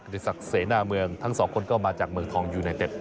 ดิสักเสน่าเมืองทั้งสองคนมาจากเมืองทองอุนาติด